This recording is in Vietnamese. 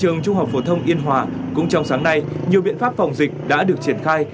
trường trung học phổ thông yên hòa cũng trong sáng nay nhiều biện pháp phòng dịch đã được triển khai